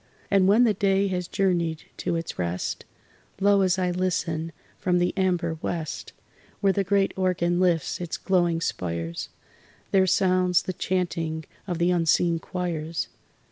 And when the day has journeyed to its rest, Lo, as I listen, from the amber west, Where the great organ lifts its glowing spires, There sounds the chanting of the unseen choirs.